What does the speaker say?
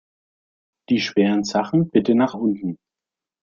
Die schweren Sachen bitte nach unten!